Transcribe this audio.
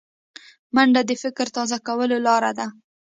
منډه د فکر تازه کولو لاره ده